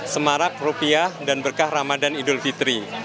semarak rupiah dan berkah ramadan idul fitri